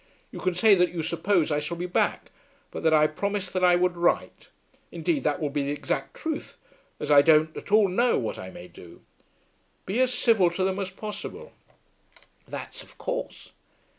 You can say that you suppose I shall be back, but that I promised that I would write. Indeed that will be the exact truth, as I don't at all know what I may do. Be as civil to them as possible." "That's of course."